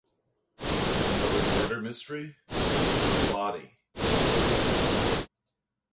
Another murder mystery, Whose Body?